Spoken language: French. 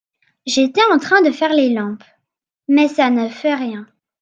J’étais en train de faire les lampes… mais ça ne fait rien.